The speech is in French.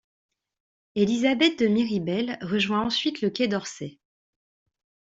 Élisabeth de Miribel rejoint ensuite le Quai d'Orsay.